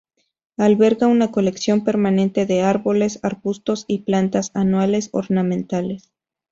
Alberga una colección permanente de árboles, arbustos y planta anuales ornamentales.